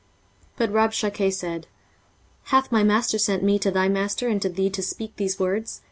23:036:012 But Rabshakeh said, Hath my master sent me to thy master and to thee to speak these words?